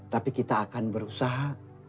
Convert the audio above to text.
tapi kita akan berusaha